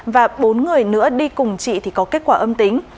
và bốn người nữa đi cùng chị thì có kết quả âm tính